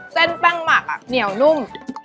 เส้นแป้งหมักเหนียวนุ่ม